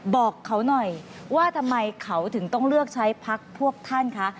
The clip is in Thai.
บอกเขาหน่อยว่าทำไมเขาถึงต้องเลือกใช้พักพวกท่านคะ